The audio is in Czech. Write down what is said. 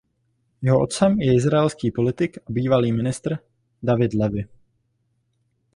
Jeho otcem je izraelský politik a bývalý ministr David Levy.